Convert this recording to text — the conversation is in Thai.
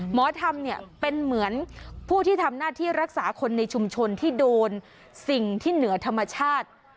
หมอธรรมเนี่ยเป็นเหมือนผู้ที่ทำหน้าที่รักษาคนในชุมชนที่โดนสิ่งที่เหนือธรรมชาติ